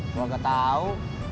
gue gak tau